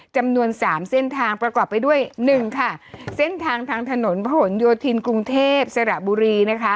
จำนวน๓เส้นทางประกอบไปด้วยเช่น๑ถือถนนโพฮนโยธินกรุงเทพฯสระบุรี